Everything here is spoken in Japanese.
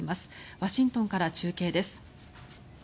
ワシントンから中継です。